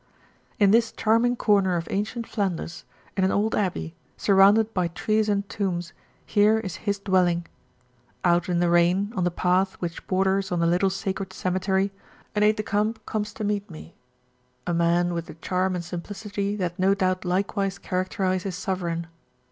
In this charming corner of ancient Flanders, in an old abbey, surrounded by trees and tombs, here is his dwelling. Out in the rain, on the path which borders on the little sacred cemetery, an aide de camp comes to meet me, a man with the charm and simplicity that no doubt likewise characterise his sovereign.